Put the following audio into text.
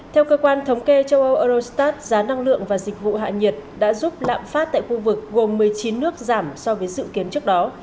theo cơ quan thống kê châu âu eurostat giá năng lượng và dịch vụ hạ nhiệt đã giúp lạm phát tại khu vực gồm một mươi chín nước giảm so với dự kiến trước đó